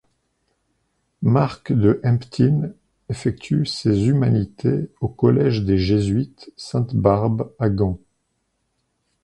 Marc de Hemptinne effectue ses humanités au Collège des Jésuites Sainte-Barbe à Gand.